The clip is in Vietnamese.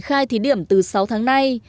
theo thời điểm từ sáu tháng nay